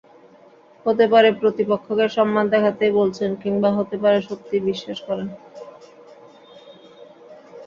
হতে পারে প্রতিপক্ষকে সম্মান দেখাতেই বলছেন, কিংবা হতে পারে সত্যিই বিশ্বাস করেন।